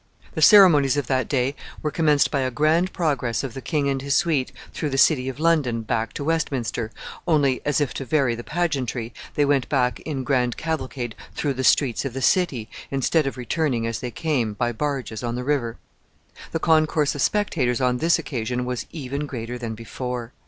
The ceremonies of that day were commenced by a grand progress of the king and his suite through the city of London back to Westminster, only, as if to vary the pageantry, they went back in grand cavalcade through the streets of the city, instead of returning as they came, by barges on the river. The concourse of spectators on this occasion was even greater than before.